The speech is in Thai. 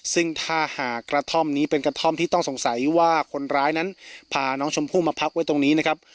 ซึ่งถ้าหากกระท่อมนี้เป็นกระท่อมที่ต้องสงสัยว่าคนร้ายนั้นพาน้องชมพู่มาพักไว้ตรงนี้นะครับ